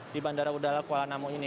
di bandara udara kuala namu ini